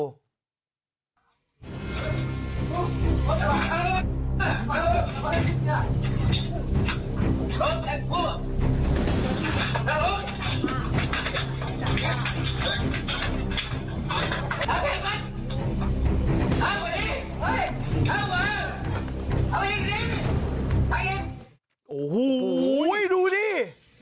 โอ้โหดูนี่